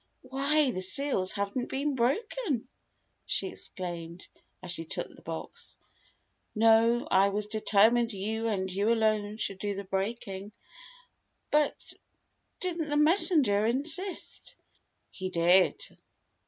"Why, the seals haven't been broken!" she exclaimed, as she took the box. "No, I was determined you and you alone should do the breaking." "But didn't the messenger insist?" "He did.